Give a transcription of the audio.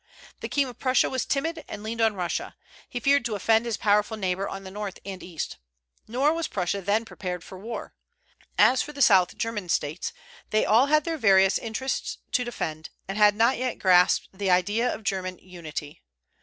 The king of Prussia was timid, and leaned on Russia; he feared to offend his powerful neighbor on the north and east. Nor was Prussia then prepared for war. As for the South German States, they all had their various interests to defend, and had not yet grasped the idea of German unity.